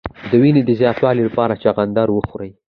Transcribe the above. د وینې د زیاتوالي لپاره چغندر وخورئ